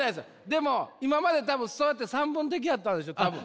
でも今まで多分そうやって散文的やったんでしょ多分。